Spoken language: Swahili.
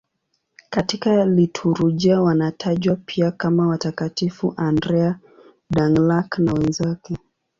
Katika liturujia wanatajwa pia kama Watakatifu Andrea Dũng-Lạc na wenzake.